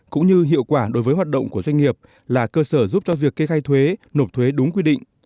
cũng như hiệu quả đối với hoạt động của doanh nghiệp là cơ sở giúp cho việc kê khai thuế nộp thuế đúng quy định